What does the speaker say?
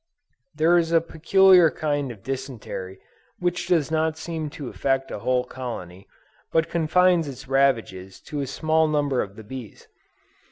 There is a peculiar kind of dysentery which does not seem to affect a whole colony, but confines its ravages to a small number of the bees.